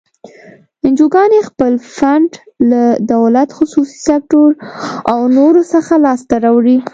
انجوګانې خپل فنډ له دولت، خصوصي سکتور او نورو څخه لاس ته راوړي.